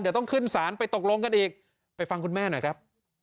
เดี๋ยวต้องขึ้นศาลไปตกลงกันอีกไปฟังคุณแม่หน่อยครับ